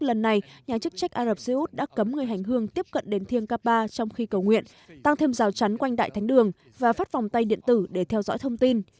lần này nhà chức trách ả rập xê út đã cấm người hành hương tiếp cận đến thiêng kapa trong khi cầu nguyện tăng thêm rào chắn quanh đại thánh đường và phát vòng tay điện tử để theo dõi thông tin